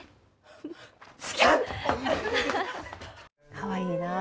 かわいいなあと。